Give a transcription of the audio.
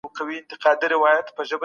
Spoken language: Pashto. غوږونو به نه وي اورېدلي